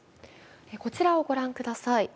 こちらを御覧ください。